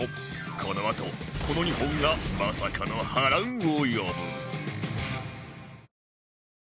このあとこの２本がまさかの波乱を呼ぶ